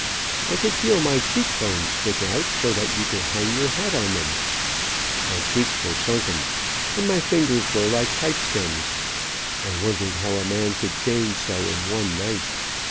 I could feel my cheek bones stick out so that you could hang your hat on them. My cheeks were sunken, and my fingers were like pipe stems. I wondered how a man could change so in one night.